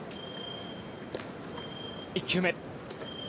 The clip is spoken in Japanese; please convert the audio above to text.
１球目。